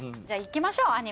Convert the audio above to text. じゃあいきましょう。